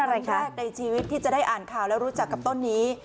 ครั้งแรกในชีวิตที่จะได้อ่านข่าวและรู้จักกับต้นนี้